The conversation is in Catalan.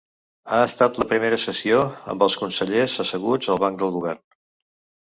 Ha estat la primera sessió amb els consellers asseguts al banc del govern.